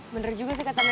bener juga sih kata melih